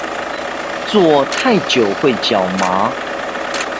坐太久會腳麻